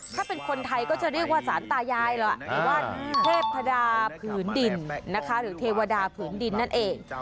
ถ้าเป็นคนไทยก็จะเรียกว่าสาธารณายาหรือว่าเทพธรรมพื้นดินหรือเทวดาพื้นดินนั่นเอง